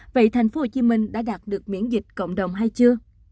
vậy tp hcm đã đạt được miễn dịch cộng đồng hay chưa